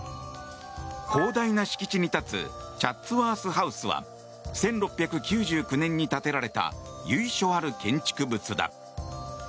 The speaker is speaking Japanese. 広大な敷地に立つチャッツワース・ハウスは１６９９年に建てられた由緒ある建築物だ。